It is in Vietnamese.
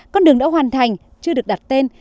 con đường đã hoàn thành chưa được đặt tên